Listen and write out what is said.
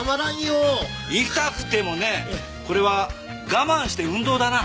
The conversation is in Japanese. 痛くてもねこれは我慢して運動だな。